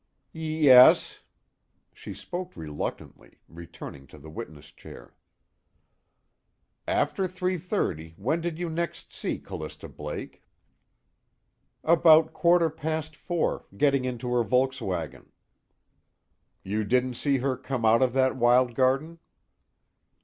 "Yes." She spoke reluctantly, returning to the witness chair. "After 3:30, when did you next see Callista Blake?" "About quarter past four, getting into her Volkswagen." "You didn't see her come out of that wild garden?"